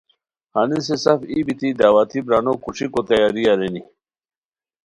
ہنسین سف ای بیتی دعوتی برانو کوݰیکو تیاری ارینی